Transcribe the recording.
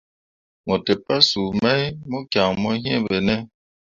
Mo te pasuu mai mo kian no yĩĩ ɓe ne.